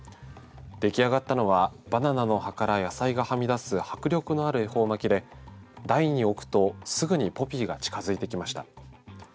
できあがったのはバナナの葉から野菜がはみ出す迫力のある恵方巻きで台に置くとすぐにポピーが近づいてきました。